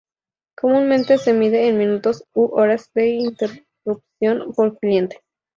Comúnmente se mide en minutos u horas de interrupción por cliente.